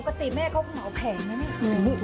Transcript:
ปกติแม่เขาก็เหมาแผงเลยมั๊ย